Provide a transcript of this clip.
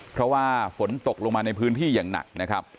เพราะว่าฝนตกลงมาในพื้นที่อย่างหนักนะครับ